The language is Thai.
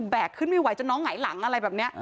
ขึ้นไม่ไหวจนน้องหงายหลังอะไรแบบนี้